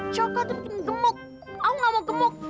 coklat itu bikin gemuk aku gak mau gemuk